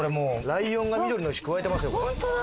ライオンが緑の石くわえてますよ。